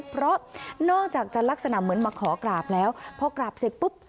เพราะนอกจากจะลักษณะเหมือนมาขอกราบแล้วพอกราบเสร็จปุ๊บ